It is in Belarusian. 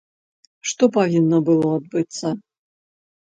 Што павінна было адбыцца?